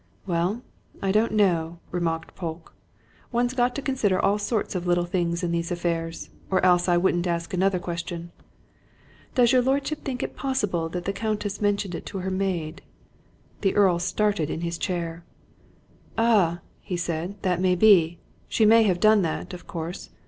"Well, I don't know," remarked Polke. "One's got to consider all sorts of little things in these affairs, or else I wouldn't ask another question. Does your lordship think it possible the Countess mentioned it to her maid?" The Earl started in his chair. "Ah!" he said. "That may be! She may have done that, of course.